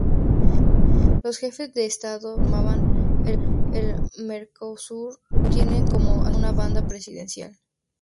Los jefes de Estado que conforman el Mercosur tienen como insignia una banda presidencial.